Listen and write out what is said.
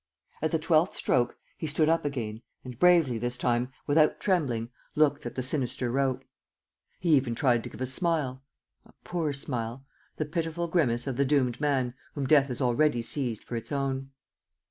At the twelfth stroke, he stood up again and, bravely this time, without trembling, looked at the sinister rope. He even tried to give a smile, a poor smile, the pitiful grimace of the doomed man whom death has already seized for its own.